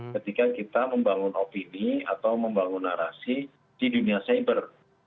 ketika kita membangun opini atau membangun narasi di dunia cyber